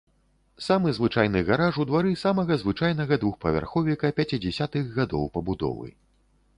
Самы звычайны гараж у двары самага звычайнага двухпавярховіка пяцідзясятых гадоў пабудовы.